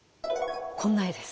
こんな絵です。